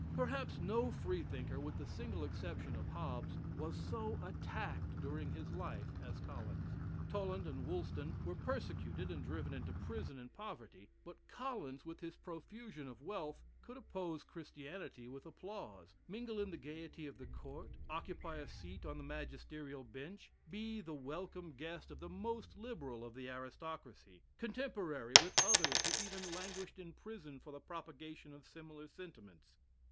Perhaps no Freethinker, with the single exception of Hobbes, was so attacked during his life as Collins. Toland and Woolston were persecuted and driven into prison and poverty; but Collins, with his profusion of wealth, could oppose Christianity with applause mingle in the gaiety of the Court occupy a seat on the magisterial bench be the welcome guest of the most liberal of the aristocracy, contemporary with others who even languished in prison for the propagation of similar sentiments.